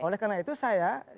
oleh karena itu saya